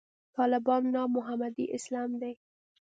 طالبانو ناب محمدي اسلام دی.